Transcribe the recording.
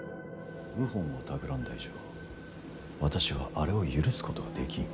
謀反をたくらんだ以上私は、あれを許すことはできん。